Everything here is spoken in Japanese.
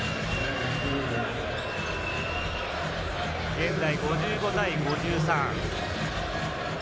現在５５対５３。